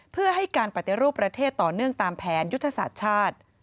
เพื่อให้การปฏิรูปประเทศต่อเนื่องตามแผนยุทธศาสตร์ชาติ